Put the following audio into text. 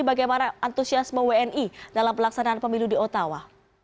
bagaimana antusiasme wni dalam pelaksanaan pemilu di ottawa